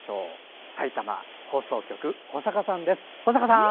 さいたま放送局、保坂さんです。